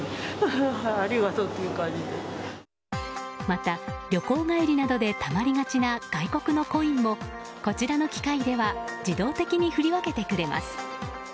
また旅行帰りなどでたまりがちな外国のコインもこちらの機械では自動的に振り分けてくれます。